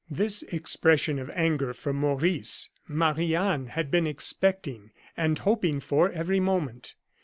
This explosion of anger from Maurice Marie Anne had been expecting and hoping for every moment.